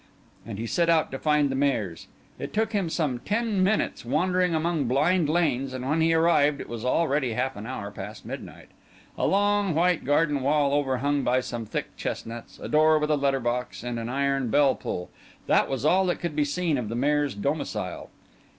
And he set out to find the Maire's. It took him some ten minutes wandering among blind lanes, and when he arrived it was already half an hour past midnight. A long white garden wall overhung by some thick chestnuts, a door with a letter box, and an iron bell pull, that was all that could be seen of the Maire's domicile.